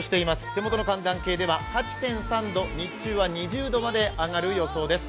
手元の寒暖計では８．３度、日中は２０度まで上がる予想です。